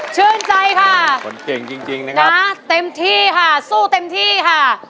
ชื่นใจค่ะคนเก่งจริงนะคะเต็มที่ค่ะสู้เต็มที่ค่ะ